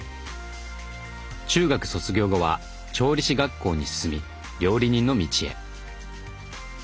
中学卒業後は調理師学校に進み料理人の道へ。